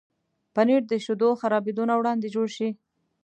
پنېر د شیدو خرابېدو نه وړاندې جوړ شي.